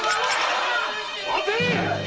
待て！